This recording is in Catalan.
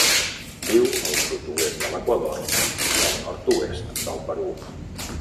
Viu al sud-oest de l'Equador i el nord-oest del Perú.